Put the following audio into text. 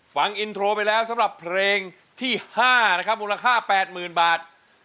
ฟังอินโทรไปแล้วสำหรับเพลงที่๕นะครับมูลค่า๘๐๐๐บาท